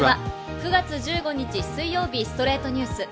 ９月１５日、水曜日『ストレイトニュース』。